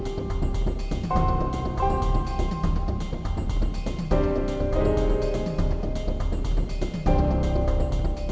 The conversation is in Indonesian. itu tanpa cinta